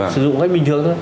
sử dụng cách bình thường thôi